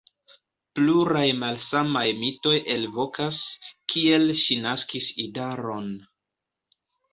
Pluraj malsamaj mitoj elvokas, kiel ŝi naskis idaron.